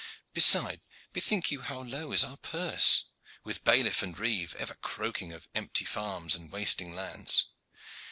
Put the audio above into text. Besides, bethink you how low is our purse, with bailiff and reeve ever croaking of empty farms and wasting lands.